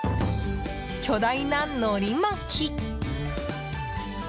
巨大なのり巻き！